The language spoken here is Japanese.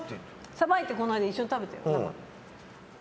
さばいてこの間、一緒に食べたよね。